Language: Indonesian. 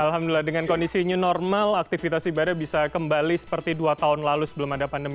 alhamdulillah dengan kondisi new normal aktivitas ibadah bisa kembali seperti dua tahun lalu sebelum ada pandemi